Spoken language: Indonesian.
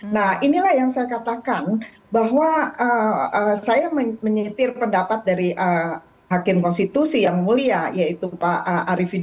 nah inilah yang saya katakan bahwa saya menyetir pendapat dari hakim tengah